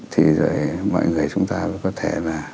thì rồi mọi người chúng ta có thể là